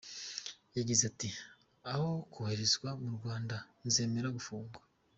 Yagize, ati: “Aho koherezwa mu Rwanda nzemera gufungwa.”